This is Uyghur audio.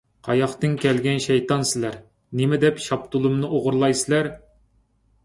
قاياقتىن كەلگەن شەيتان سىلەر! نېمىدەپ شاپتۇلۇمنى ئوغرىلايسىلەر!